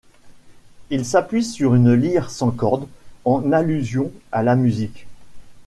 Il s'appuie sur une lyre sans corde, en allusion à la musique.